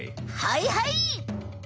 はいはい！